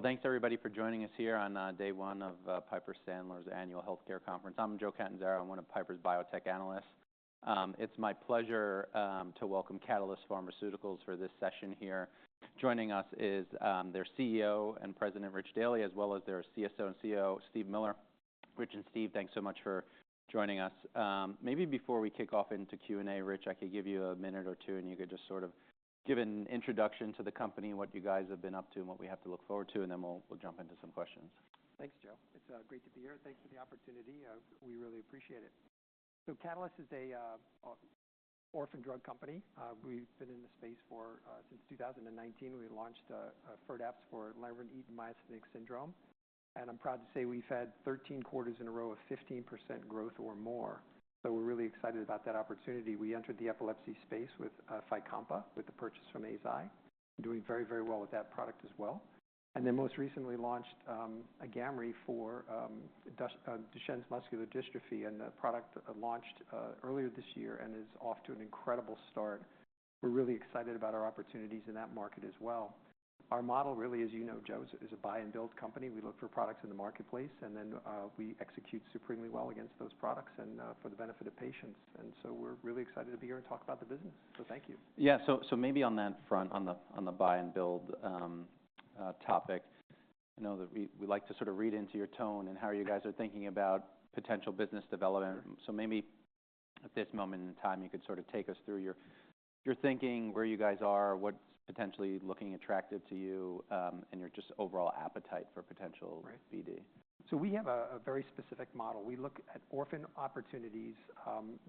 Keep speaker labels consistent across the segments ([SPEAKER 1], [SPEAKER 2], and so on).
[SPEAKER 1] Thanks everybody for joining us here on day one of Piper Sandler's annual healthcare conference. I'm Joe Catanzaro. I'm one of Piper's biotech analysts. It's my pleasure to welcome Catalyst Pharmaceuticals for this session here. Joining us is their CEO and President, Rich Daly, as well as their CSO and COO, Steve Miller. Rich and Steve, thanks so much for joining us. Maybe before we kick off into Q&A, Rich, I could give you a minute or two and you could just sort of give an introduction to the company, what you guys have been up to, and what we have to look forward to, and then we'll jump into some questions.
[SPEAKER 2] Thanks, Joe. It's great to be here. Thanks for the opportunity. We really appreciate it. Catalyst is a orphan drug company. We've been in the space since 2019. We launched FIRDAPSE for Lambert-Eaton myasthenic syndrome. And I'm proud to say we've had 13 quarters in a row of 15% growth or more. We're really excited about that opportunity. We entered the epilepsy space with FYCOMPA, with the purchase from Eisai, doing very, very well with that product as well. And then most recently launched AGAMREE for Duchenne muscular dystrophy, and the product launched earlier this year and is off to an incredible start. We're really excited about our opportunities in that market as well. Our model really, as you know, Joe, is a buy-and-build company. We look for products in the marketplace, and then, we execute supremely well against those products and, for the benefit of patients, and so we're really excited to be here and talk about the business, so thank you.
[SPEAKER 1] Yeah. So maybe on that front, on the buy-and-build topic, I know that we like to sort of read into your tone and how you guys are thinking about potential business development. So maybe at this moment in time, you could sort of take us through your thinking, where you guys are, what's potentially looking attractive to you, and your just overall appetite for potential BD.
[SPEAKER 2] Right. So we have a very specific model. We look at orphan opportunities.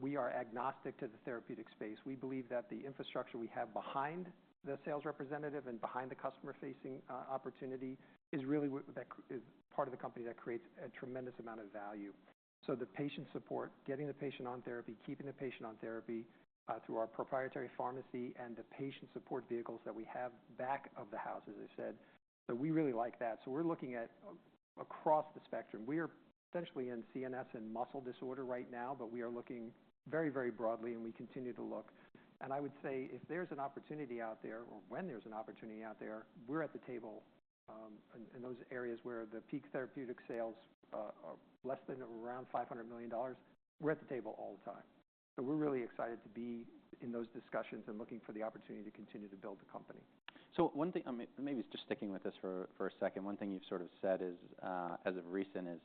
[SPEAKER 2] We are agnostic to the therapeutic space. We believe that the infrastructure we have behind the sales representative and behind the customer-facing opportunity is really what that is part of the company that creates a tremendous amount of value. So the patient support, getting the patient on therapy, keeping the patient on therapy, through our proprietary pharmacy and the patient support vehicles that we have back of the house, as I said. So we really like that. So we're looking at across the spectrum. We are potentially in CNS and muscle disorder right now, but we are looking very, very broadly, and we continue to look. I would say if there's an opportunity out there, or when there's an opportunity out there, we're at the table, in those areas where the peak therapeutic sales are less than around $500 million. We're at the table all the time. We're really excited to be in those discussions and looking for the opportunity to continue to build the company.
[SPEAKER 1] So one thing I'm maybe just sticking with this for a second. One thing you've sort of said is, as of recent, is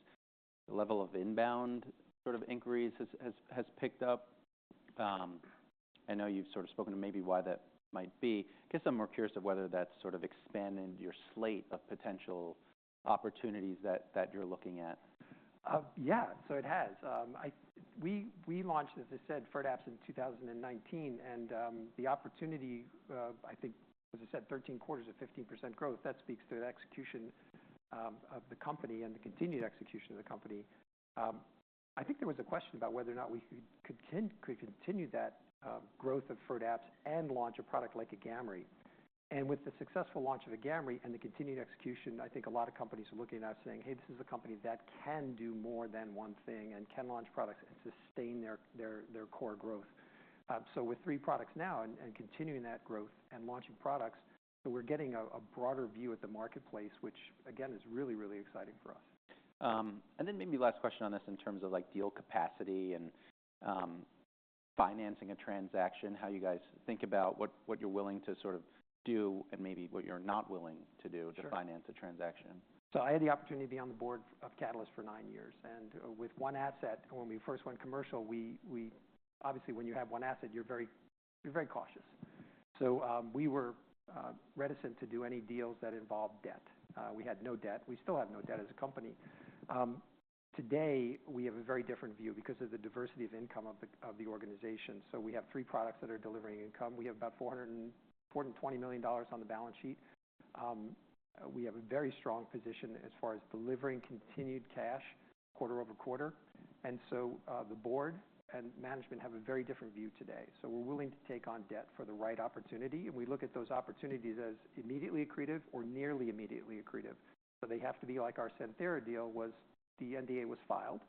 [SPEAKER 1] the level of inbound sort of inquiries has picked up. I know you've sort of spoken to maybe why that might be. I guess I'm more curious of whether that's sort of expanded your slate of potential opportunities that you're looking at.
[SPEAKER 2] Yeah. So it has. We launched, as I said, FIRDAPSE in 2019, and the opportunity, I think, as I said, 13 quarters of 15% growth. That speaks to the execution of the company and the continued execution of the company. I think there was a question about whether or not we could continue that growth of FIRDAPSE and launch a product like AGAMREE. And with the successful launch of AGAMREE and the continued execution, I think a lot of companies are looking at us saying, "Hey, this is a company that can do more than one thing and can launch products and sustain their core growth." So with three products now and continuing that growth and launching products, we're getting a broader view at the marketplace, which, again, is really exciting for us.
[SPEAKER 1] And then maybe last question on this in terms of, like, deal capacity and financing a transaction, how you guys think about what you're willing to sort of do and maybe what you're not willing to do to finance a transaction.
[SPEAKER 2] So I had the opportunity to be on the board of Catalyst for nine years. And with one asset, when we first went commercial, we obviously, when you have one asset, you're very cautious. So, we were reticent to do any deals that involved debt. We had no debt. We still have no debt as a company. Today, we have a very different view because of the diversity of income of the organization. So we have three products that are delivering income. We have about $420 million on the balance sheet. We have a very strong position as far as delivering continued cash quarter over quarter. And so, the board and management have a very different view today. So we're willing to take on debt for the right opportunity. And we look at those opportunities as immediately accretive or nearly immediately accretive. So they have to be like our Santhera deal was. The NDA was filed,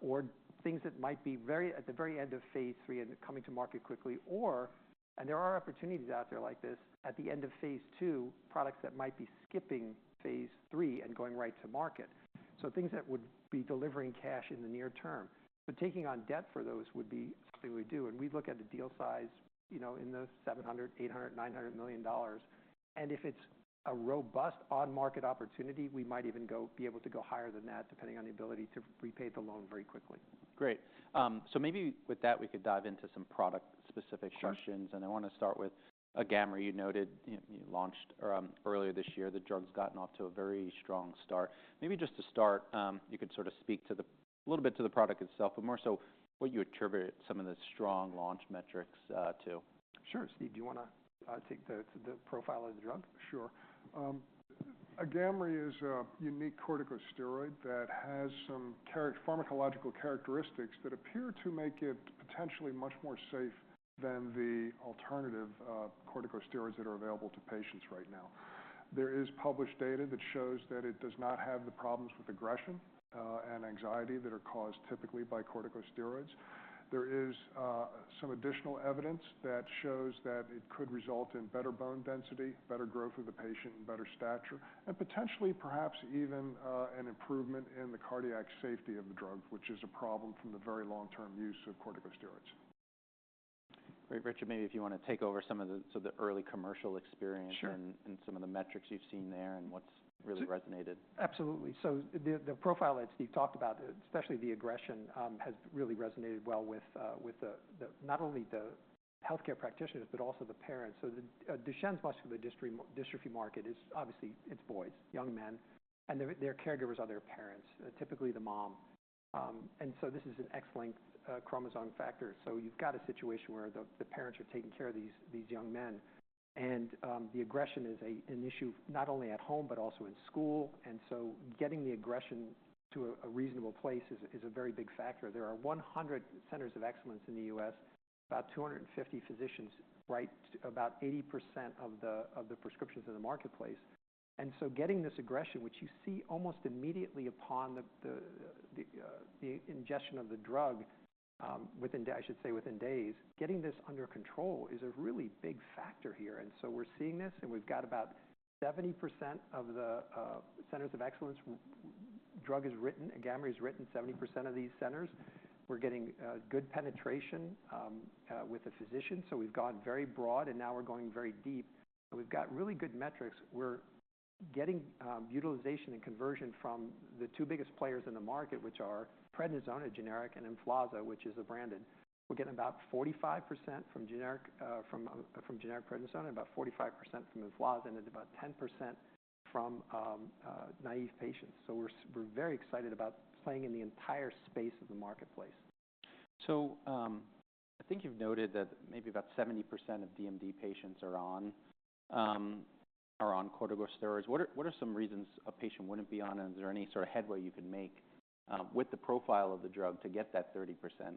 [SPEAKER 2] or things that might be very at the end of Phase I and coming to market quickly, and there are opportunities out there like this at the end of Phase II, products that might be skipping Phase III and going right to market. So things that would be delivering cash in the near term. But taking on debt for those would be something we do. And we look at the deal size, you know, in the $700, $800, $900 million. And if it's a robust on-market opportunity, we might even be able to go higher than that, depending on the ability to repay the loan very quickly.
[SPEAKER 1] Great. So maybe with that, we could dive into some product-specific questions.
[SPEAKER 2] Sure.
[SPEAKER 1] I want to start with AGAMREE. You noted you launched it earlier this year. The drug's gotten off to a very strong start. Maybe just to start, you could sort of speak to it a little bit to the product itself, but more so what you attribute some of the strong launch metrics to.
[SPEAKER 2] Sure. Steve, do you want to take the profile of the drug?
[SPEAKER 3] Sure. AGAMREE is a unique corticosteroid that has some pharmacological characteristics that appear to make it potentially much more safe than the alternative, corticosteroids that are available to patients right now. There is published data that shows that it does not have the problems with aggression, and anxiety that are caused typically by corticosteroids. There is some additional evidence that shows that it could result in better bone density, better growth of the patient, and better stature, and potentially perhaps even, an improvement in the cardiac safety of the drug, which is a problem from the very long-term use of corticosteroids.
[SPEAKER 1] Great. Richard, maybe if you want to take over some of the sort of early commercial experience.
[SPEAKER 2] Sure.
[SPEAKER 1] Some of the metrics you've seen there and what's really resonated.
[SPEAKER 2] Absolutely. So the profile that Steve talked about, especially the aggression, has really resonated well with not only the healthcare practitioners, but also the parents. So the Duchenne muscular dystrophy market is obviously it's boys, young men, and their caregivers are their parents, typically the mom, and so this is an X-linked chromosome factor. So you've got a situation where the parents are taking care of these young men. And the aggression is an issue not only at home, but also in school. And so getting the aggression to a reasonable place is a very big factor. There are 100 Centers of Excellence in the US, about 250 physicians, right, about 80% of the prescriptions in the marketplace. And so getting this aggression, which you see almost immediately upon the ingestion of the drug, within, I should say, within days, getting this under control is a really big factor here. And so we're seeing this, and we've got about 70% of the Centers of Excellence. AGAMREE is written in 70% of these centers. We're getting good penetration with the physician. So we've gone very broad, and now we're going very deep. And we've got really good metrics. We're getting utilization and conversion from the two biggest players in the market, which are prednisone, a generic, and Emflaza, which is a branded. We're getting about 45% from generic prednisone and about 45% from Emflaza, and then about 10% from naive patients. So we're very excited about playing in the entire space of the marketplace.
[SPEAKER 1] I think you've noted that maybe about 70% of DMD patients are on corticosteroids. What are some reasons a patient wouldn't be on it? Is there any sort of headway you can make, with the profile of the drug to get that 30%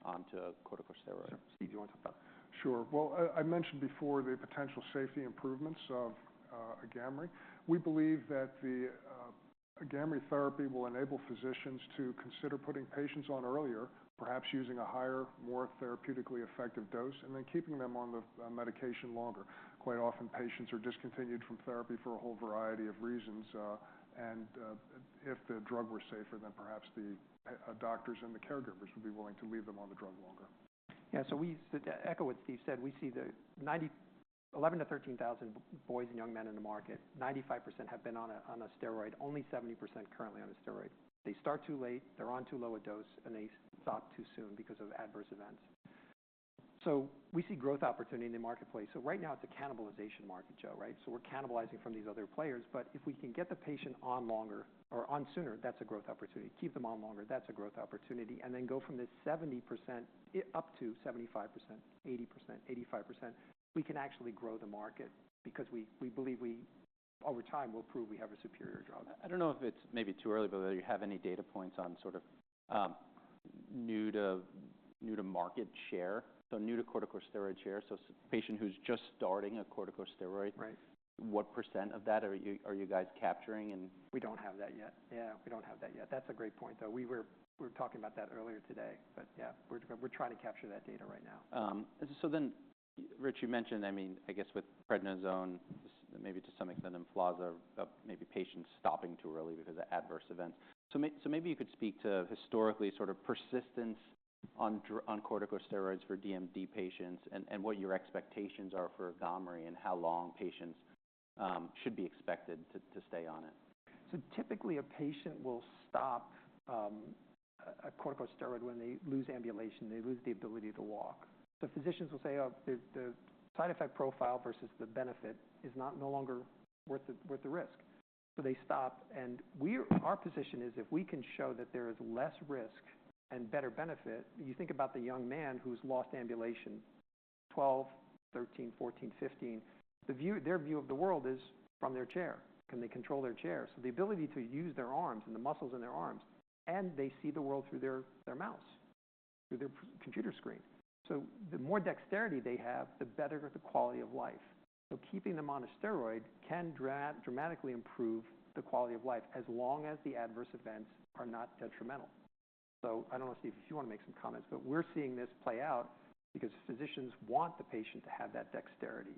[SPEAKER 1] onto a corticosteroid?
[SPEAKER 3] Sure. Steve, do you want to talk about that? Sure. Well, I mentioned before the potential safety improvements of AGAMREE. We believe that the AGAMREE therapy will enable physicians to consider putting patients on earlier, perhaps using a higher, more therapeutically effective dose, and then keeping them on the medication longer. Quite often, patients are discontinued from therapy for a whole variety of reasons, and if the drug were safer, then perhaps the doctors and the caregivers would be willing to leave them on the drug longer.
[SPEAKER 2] Yeah. So we echo what Steve said. We see the 90, 11-13 thousand boys and young men in the market, 95% have been on a steroid, only 70% currently on a steroid. They start too late, they're on too low a dose, and they stop too soon because of adverse events. So we see growth opportunity in the marketplace. So right now, it's a cannibalization market, Joe, right? So we're cannibalizing from these other players. But if we can get the patient on longer or on sooner, that's a growth opportunity. Keep them on longer, that's a growth opportunity. And then go from this 70% up to 75%, 80%, 85%, we can actually grow the market because we believe we over time will prove we have a superior drug.
[SPEAKER 1] I don't know if it's maybe too early, but do you have any data points on sort of new to market share, so new to corticosteroid share? So a patient who's just starting a corticosteroid.
[SPEAKER 2] Right.
[SPEAKER 1] What % of that are you guys capturing and?
[SPEAKER 2] We don't have that yet. Yeah. That's a great point, though. We were talking about that earlier today. But yeah, we're trying to capture that data right now.
[SPEAKER 1] So then, Rich, you mentioned, I mean, I guess with prednisone, maybe to some extent Emflaza, maybe patients stopping too early because of adverse events. So maybe you could speak to historically sort of persistence on corticosteroids for DMD patients and what your expectations are for AGAMREE and how long patients should be expected to stay on it.
[SPEAKER 2] Typically, a patient will stop a corticosteroid when they lose ambulation. They lose the ability to walk. So physicians will say, "Oh, the side effect profile versus the benefit is not no longer worth the risk." So they stop. And our position is if we can show that there is less risk and better benefit, you think about the young man who's lost ambulation, 12, 13, 14, 15. Their view of the world is from their chair. Can they control their chair? So the ability to use their arms and the muscles in their arms, and they see the world through their mouse, through their computer screen. So the more dexterity they have, the better the quality of life. So keeping them on a steroid can dramatically improve the quality of life as long as the adverse events are not detrimental. So I don't know, Steve, if you want to make some comments, but we're seeing this play out because physicians want the patient to have that dexterity,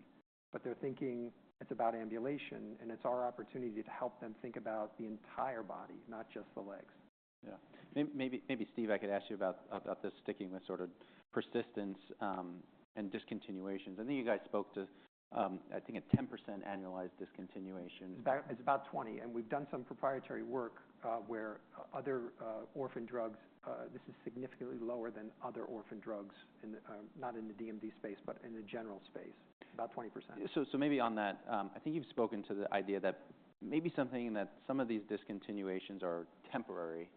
[SPEAKER 2] but they're thinking it's about ambulation, and it's our opportunity to help them think about the entire body, not just the legs.
[SPEAKER 1] Yeah. Maybe Steve, I could ask you about this sticking with sort of persistence and discontinuations. I think you guys spoke to a 10% annualized discontinuation.
[SPEAKER 2] It's about 20%. And we've done some proprietary work, where other orphan drugs, this is significantly lower than other orphan drugs in the, not in the DMD space, but in the general space, about 20%.
[SPEAKER 1] So, maybe on that, I think you've spoken to the idea that maybe something that some of these discontinuations are temporary,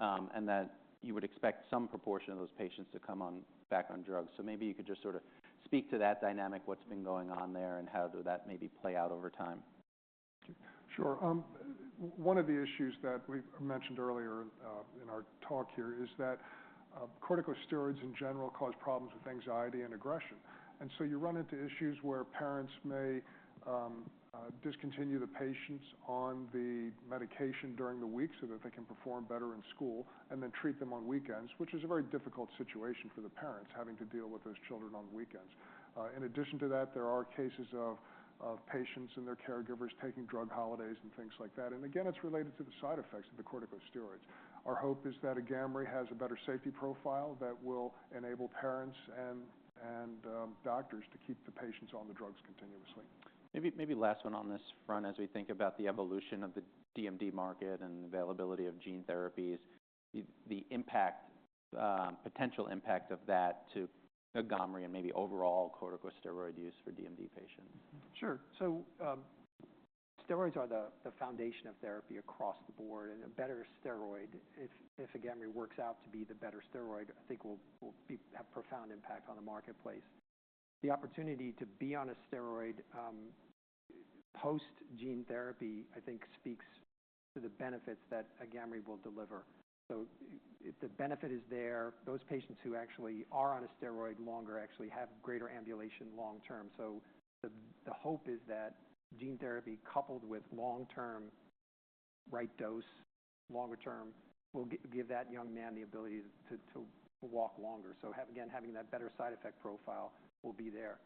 [SPEAKER 1] and that you would expect some proportion of those patients to come on back on drugs. So maybe you could just sort of speak to that dynamic, what's been going on there, and how do that maybe play out over time?
[SPEAKER 3] Sure. One of the issues that we mentioned earlier, in our talk here is that, corticosteroids in general cause problems with anxiety and aggression. And so you run into issues where parents may discontinue the patients on the medication during the week so that they can perform better in school and then treat them on weekends, which is a very difficult situation for the parents having to deal with those children on the weekends. In addition to that, there are cases of patients and their caregivers taking drug holidays and things like that. And again, it's related to the side effects of the corticosteroids. Our hope is that AGAMREE has a better safety profile that will enable parents and doctors to keep the patients on the drugs continuously.
[SPEAKER 1] Maybe, maybe last one on this front, as we think about the evolution of the DMD market and availability of gene therapies, the impact, potential impact of that to AGAMREE and maybe overall corticosteroid use for DMD patients.
[SPEAKER 2] Sure. So, steroids are the foundation of therapy across the board. And a better steroid, if AGAMREE works out to be the better steroid, I think will have a profound impact on the marketplace. The opportunity to be on a steroid, post-gene therapy, I think, speaks to the benefits that AGAMREE will deliver. So if the benefit is there, those patients who actually are on a steroid longer actually have greater ambulation long-term. So the hope is that gene therapy coupled with long-term right dose, longer term, will give that young man the ability to walk longer. So have, again, having that better side effect profile will be there.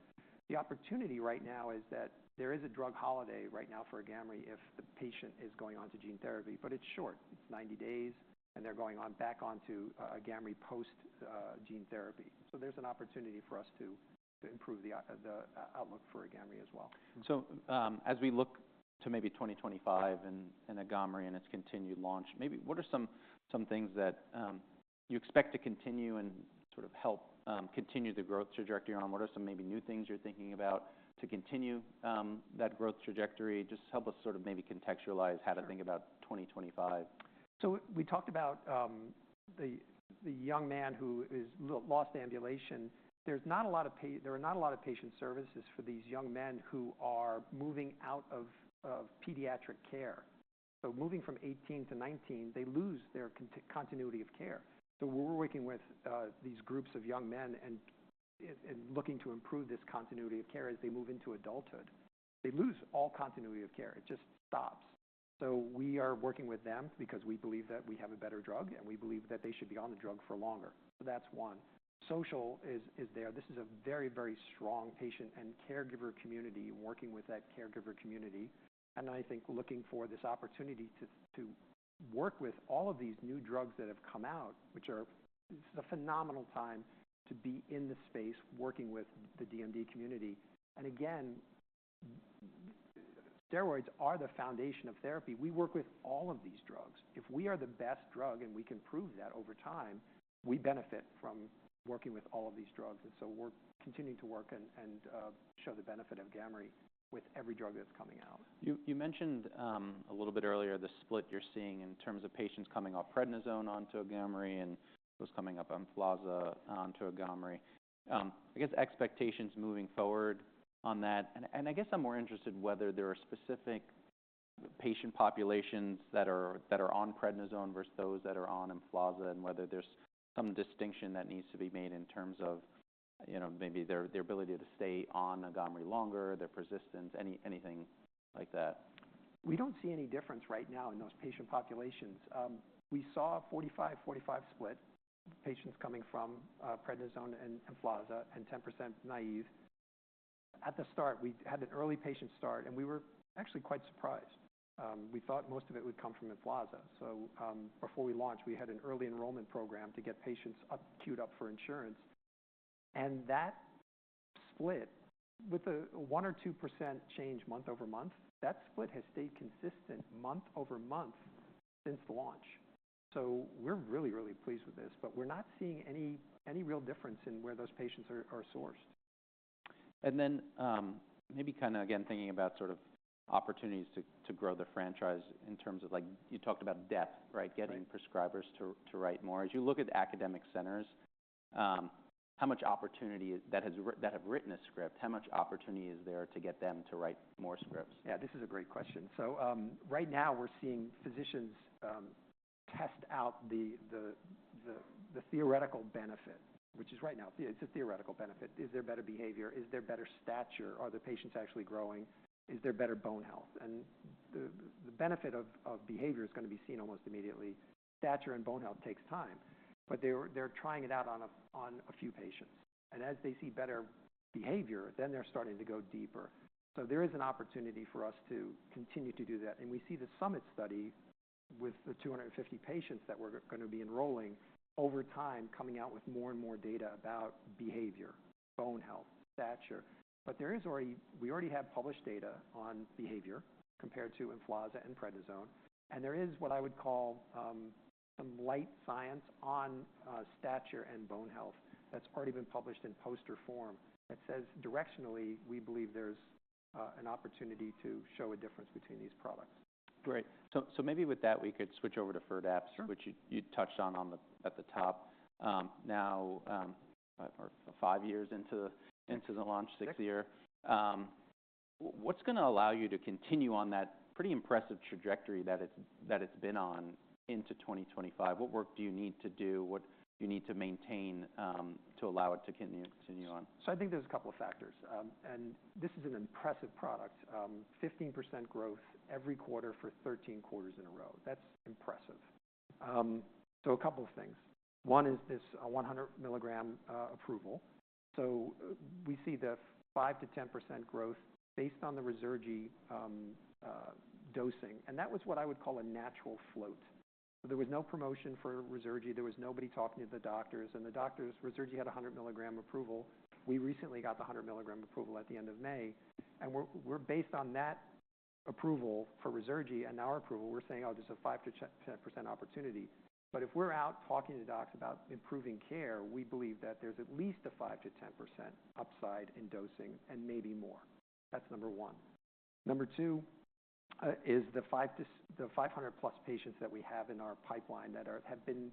[SPEAKER 2] The opportunity right now is that there is a drug holiday right now for AGAMREE if the patient is going on to gene therapy, but it's short. It's 90 days, and they're going on back onto AGAMREE post-gene therapy. So there's an opportunity for us to improve the outlook for AGAMREE as well.
[SPEAKER 1] So, as we look to maybe 2025 and AGAMREE and its continued launch, maybe what are some things that you expect to continue and sort of help continue the growth trajectory on? What are some maybe new things you're thinking about to continue that growth trajectory? Just help us sort of maybe contextualize how to think about 2025.
[SPEAKER 2] We talked about the young man who has lost ambulation. There are not a lot of patient services for these young men who are moving out of pediatric care. Moving from 18 to 19, they lose their continuity of care. We're working with these groups of young men and looking to improve this continuity of care as they move into adulthood. They lose all continuity of care. It just stops. We are working with them because we believe that we have a better drug, and we believe that they should be on the drug for longer. That's one. Social is there. This is a very strong patient and caregiver community working with that caregiver community. I think looking for this opportunity to work with all of these new drugs that have come out. This is a phenomenal time to be in the space working with the DMD community. Again, steroids are the foundation of therapy. We work with all of these drugs. If we are the best drug and we can prove that over time, we benefit from working with all of these drugs. So we're continuing to work and show the benefit of AGAMREE with every drug that's coming out.
[SPEAKER 1] You mentioned a little bit earlier the split you're seeing in terms of patients coming off prednisone onto AGAMREE and those coming off Emflaza onto AGAMREE. I guess expectations moving forward on that. And I guess I'm more interested whether there are specific patient populations that are on prednisone versus those that are on Emflaza and whether there's some distinction that needs to be made in terms of, you know, maybe their ability to stay on AGAMREE longer, their persistence, anything like that.
[SPEAKER 2] We don't see any difference right now in those patient populations. We saw a 45, 45 split, patients coming from prednisone and Emflaza and 10% naive. At the start, we had an early patient start, and we were actually quite surprised. We thought most of it would come from Emflaza. So, before we launched, we had an early enrollment program to get patients up queued up for insurance. And that split with a 1% or 2% change month over month, that split has stayed consistent month over month since launch. So we're really, really pleased with this, but we're not seeing any real difference in where those patients are sourced.
[SPEAKER 1] Maybe kind of again thinking about sort of opportunities to grow the franchise in terms of, like, you talked about depth, right, getting prescribers to write more. As you look at academic centers, how much opportunity that have written a script? How much opportunity is there to get them to write more scripts?
[SPEAKER 2] Yeah. This is a great question. So right now we're seeing physicians test out the theoretical benefit, which is right now it's a theoretical benefit. Is there better behavior? Is there better stature? Are the patients actually growing? Is there better bone health? And the benefit of behavior is going to be seen almost immediately. Stature and bone health takes time, but they're trying it out on a few patients. And as they see better behavior, then they're starting to go deeper. So there is an opportunity for us to continue to do that. And we see the SUMMIT study with the 250 patients that we're going to be enrolling over time coming out with more and more data about behavior, bone health, stature. But we already have published data on behavior compared to Emflaza and prednisone. There is what I would call some light science on stature and bone health that's already been published in poster form that says directionally we believe there's an opportunity to show a difference between these products.
[SPEAKER 1] Great. So maybe with that, we could switch over to FIRDAPSE, which you touched on at the top. Now, five years into the launch, sixth year, what's going to allow you to continue on that pretty impressive trajectory that it's been on into 2025? What work do you need to do? What do you need to maintain to allow it to continue on?
[SPEAKER 2] So I think there's a couple of factors. And this is an impressive product. 15% growth every quarter for 13 quarters in a row. That's impressive. So a couple of things. One is this 100-milligram approval. So we see the 5%-10% growth based on the Ruzurgi dosing. And that was what I would call a natural float. There was no promotion for Ruzurgi. There was nobody talking to the doctors. And the doctors, Ruzurgi had a 100-milligram approval. We recently got the 100-milligram approval at the end of May. And we're based on that approval for Ruzurgi and our approval, we're saying, "Oh, there's a 5%-10% opportunity." But if we're out talking to docs about improving care, we believe that there's at least a 5%-10% upside in dosing and maybe more. That's number one. Number two is the 5 to 500-plus patients that we have in our pipeline that have been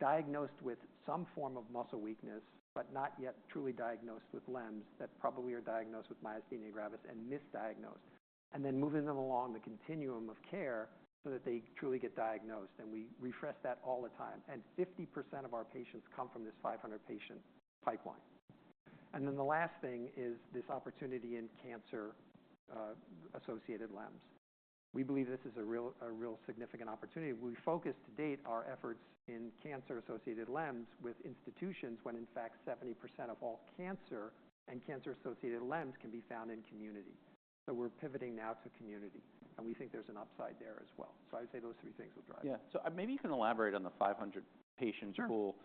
[SPEAKER 2] diagnosed with some form of muscle weakness but not yet truly diagnosed with LEMS that probably are diagnosed with myasthenia gravis and misdiagnosed, and then moving them along the continuum of care so that they truly get diagnosed. And we refresh that all the time. And 50% of our patients come from this 500-patient pipeline. And then the last thing is this opportunity in cancer-associated LEMS. We believe this is a real, a real significant opportunity. We focus to date our efforts in cancer-associated LEMS with institutions when, in fact, 70% of all cancer-associated LEMS can be found in community. So we're pivoting now to community, and we think there's an upside there as well. So I would say those three things will drive it.
[SPEAKER 1] Yeah. So maybe you can elaborate on the 500 patients pool.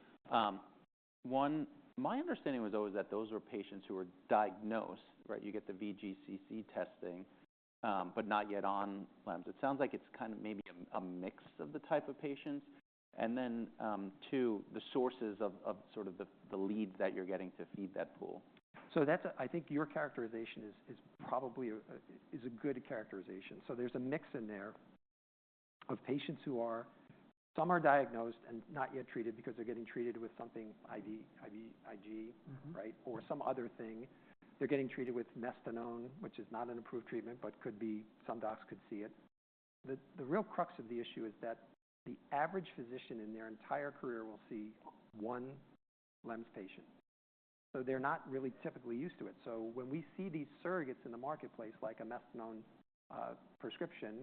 [SPEAKER 1] One, my understanding was always that those were patients who were diagnosed, right? You get the VGCC testing, but not yet on LEMS. It sounds like it's kind of maybe a mix of the type of patients. And then, two, the sources of sort of the leads that you're getting to feed that pool.
[SPEAKER 2] So that's, I think your characterization is probably a good characterization. So there's a mix in there of patients, some are diagnosed and not yet treated because they're getting treated with something IVIG, right, or some other thing. They're getting treated with Mestinon, which is not an approved treatment, but some docs could see it. The real crux of the issue is that the average physician in their entire career will see one LEMS patient. So they're not really typically used to it. So when we see these surrogates in the marketplace, like a Mestinon prescription,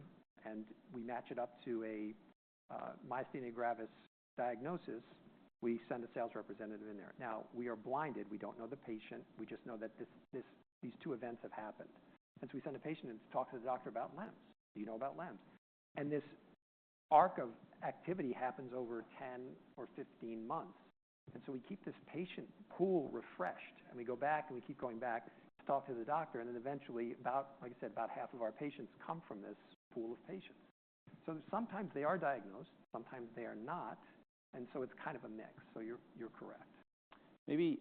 [SPEAKER 2] and we match it up to a myasthenia gravis diagnosis, we send a sales representative in there. Now, we are blinded. We don't know the patient. We just know that these two events have happened. And so we send a patient in to talk to the doctor about LEMS. Do you know about LEMS? And this arc of activity happens over 10 or 15 months. And so we keep this patient pool refreshed, and we go back, and we keep going back to talk to the doctor. And then eventually, about, like I said, about half of our patients come from this pool of patients. So sometimes they are diagnosed. Sometimes they are not. And so it's kind of a mix. So you're correct.
[SPEAKER 1] Maybe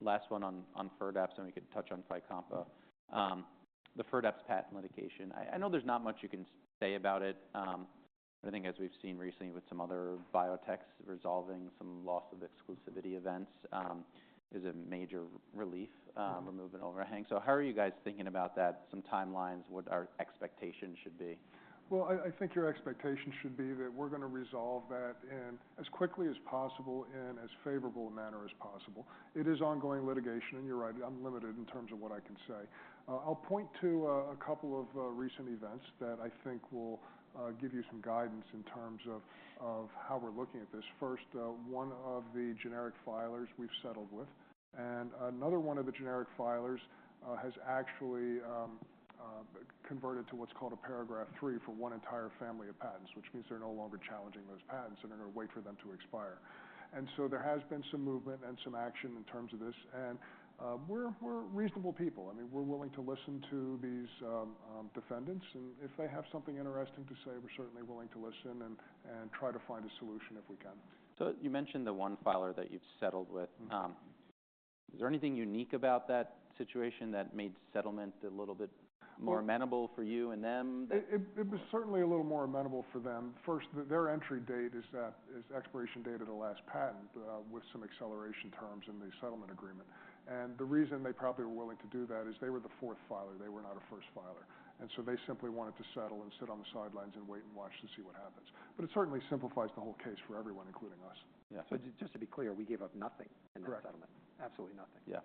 [SPEAKER 1] last one on FIRDAPSE, and we could touch on FYCOMPA. The FIRDAPSE patent litigation, I know there's not much you can say about it. But I think as we've seen recently with some other biotechs resolving some loss of exclusivity events, is a major relief, removing overhang. So how are you guys thinking about that? Some timelines, what our expectation should be.
[SPEAKER 3] I think your expectation should be that we're going to resolve that as quickly as possible in as favorable a manner as possible. It is ongoing litigation, and you're right, unlimited in terms of what I can say. I'll point to a couple of recent events that I think will give you some guidance in terms of how we're looking at this. First, one of the generic filers we've settled with, and another one of the generic filers has actually converted to what's called a Paragraph III for one entire family of patents, which means they're no longer challenging those patents, and they're going to wait for them to expire. We're reasonable people. I mean, we're willing to listen to these defendants. If they have something interesting to say, we're certainly willing to listen and try to find a solution if we can.
[SPEAKER 1] So you mentioned the one filer that you've settled with. Is there anything unique about that situation that made settlement a little bit more amenable for you and them?
[SPEAKER 3] It was certainly a little more amenable for them. First, their entry date is the expiration date of the last patent, with some acceleration terms in the settlement agreement. And the reason they probably were willing to do that is they were the fourth filer. They were not a first filer. And so they simply wanted to settle and sit on the sidelines and wait and watch to see what happens. But it certainly simplifies the whole case for everyone, including us.
[SPEAKER 1] Yeah. So just to be clear, we gave up nothing in that settlement. Absolutely nothing. Yeah.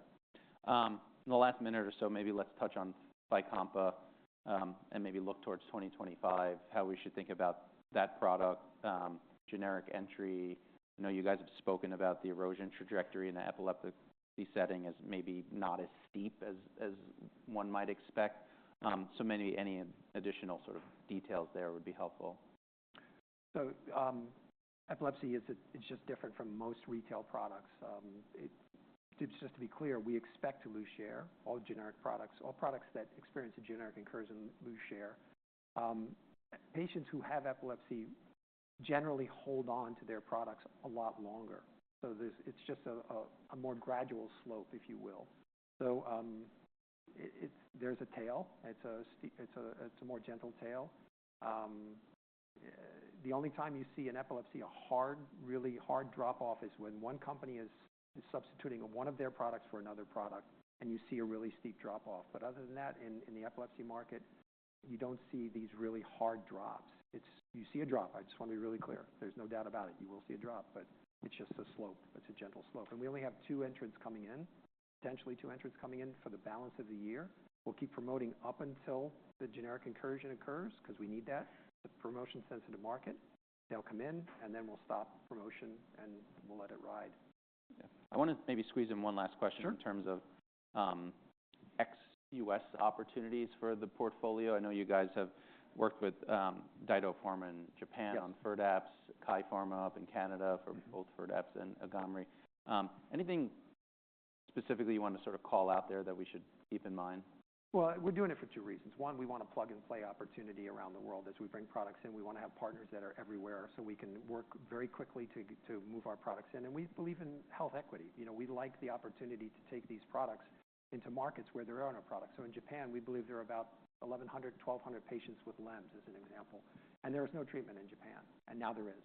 [SPEAKER 1] In the last minute or so, maybe let's touch on FYCOMPA, and maybe look towards 2025, how we should think about that product, generic entry. I know you guys have spoken about the erosion trajectory in the epileptic setting as maybe not as steep as, as one might expect. So maybe any additional sort of details there would be helpful.
[SPEAKER 2] Epilepsy is just different from most retail products. To be clear, we expect to lose share. All generic products, all products that experience a generic incursion, lose share. Patients who have epilepsy generally hold on to their products a lot longer. There's just a more gradual slope, if you will. There's a tail. It's a more gentle tail. The only time you see in epilepsy a hard, really hard drop-off is when one company is substituting one of their products for another product, and you see a really steep drop-off. But other than that, in the epilepsy market, you don't see these really hard drops. You see a drop. I just want to be really clear. There's no doubt about it. You will see a drop, but it's just a slope. It's a gentle slope. And we only have two entrants coming in, potentially two entrants coming in for the balance of the year. We'll keep promoting up until the generic incursion occurs because we need that. It's a promotion-sensitive market. They'll come in, and then we'll stop promotion, and we'll let it ride.
[SPEAKER 1] Yeah. I want to maybe squeeze in one last question in terms of ex-US opportunities for the portfolio. I know you guys have worked with DyDo Pharma in Japan on FIRDAPSE, Kye Pharma up in Canada for both FIRDAPSE and AGAMREE. Anything specifically you want to sort of call out there that we should keep in mind?
[SPEAKER 2] We're doing it for two reasons. One, we want a plug-and-play opportunity around the world. As we bring products in, we want to have partners that are everywhere so we can work very quickly to move our products in. And we believe in health equity. You know, we like the opportunity to take these products into markets where there are no products. So in Japan, we believe there are about 1,100-1,200 patients with LEMS as an example. And there is no treatment in Japan. And now there is.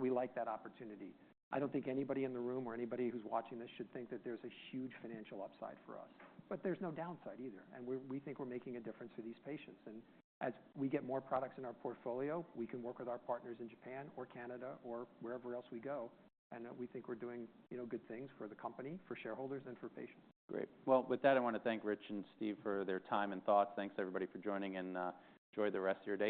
[SPEAKER 2] We like that opportunity. I don't think anybody in the room or anybody who's watching this should think that there's a huge financial upside for us. But there's no downside either. And we think we're making a difference for these patients. And as we get more products in our portfolio, we can work with our partners in Japan or Canada or wherever else we go. And we think we're doing, you know, good things for the company, for shareholders, and for patients.
[SPEAKER 1] Great. Well, with that, I want to thank Rich and Steve for their time and thoughts. Thanks, everybody, for joining. And, enjoy the rest of your day.